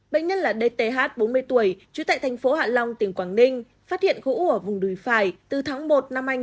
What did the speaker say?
bệnh nhân là dth bốn mươi tuổi trú tại thành phố hạ long tiếng quảng ninh phát hiện khu u ở vùng đùi phải từ tháng một năm hai nghìn hai mươi ba